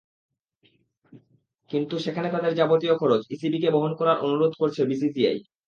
কিন্তু সেখানে তাদের যাবতীয় খরচ ইসিবিকে বহন করার অনুরোধ করছে বিসিসিআই।